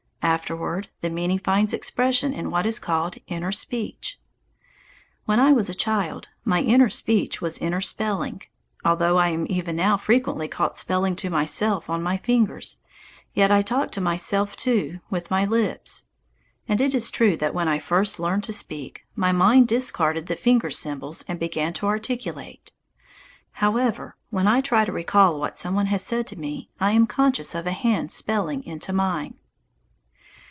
Afterward the meaning finds expression in what is called "inner speech." When I was a child, my inner speech was inner spelling. Although I am even now frequently caught spelling to myself on my fingers, yet I talk to myself, too, with my lips, and it is true that when I first learned to speak, my mind discarded the finger symbols and began to articulate. However, when I try to recall what some one has said to me, I am conscious of a hand spelling into mine.